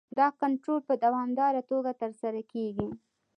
دا کنټرول په دوامداره توګه ترسره کیږي.